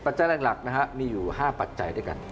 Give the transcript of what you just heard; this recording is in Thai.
ปัจจัยแรกมีอยู่๕ปัจจัยด้วยกัน